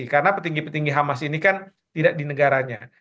karena petinggi petinggi hamas ini kan tidak di negaranya